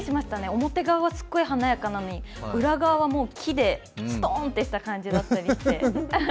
表側は華やかなのに裏側はもう木でストーンとした感じだったりして。